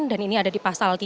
dan ini ada di pasal